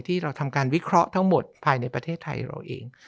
ที่เราทำการวิเคราะห์ทั้งหมดภายในประเทศไทยเราเอง